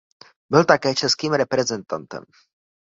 Byl také českým reprezentantem.